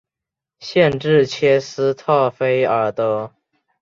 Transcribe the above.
县治切斯特菲尔德。